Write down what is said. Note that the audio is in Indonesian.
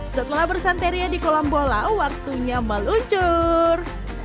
setelah bersanteria di kolam bola waktunya meluncur